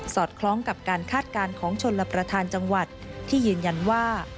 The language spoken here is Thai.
คล้องกับการคาดการณ์ของชนรับประทานจังหวัดที่ยืนยันว่า